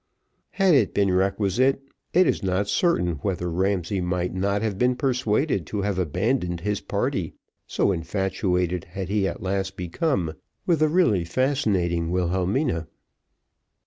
Had it been requisite, it is not certain whether Ramsay might not have been persuaded to have abandoned his party, so infatuated had he at last become with the really fascinating Wilhelmina.